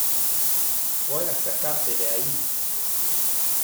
Voy a sacarte de ahí .